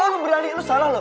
kok lo berani lo salah lo